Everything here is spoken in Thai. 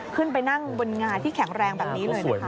ขึ้นไปนั่งบนงาที่แข็งแรงแบบนี้เลยนะคะ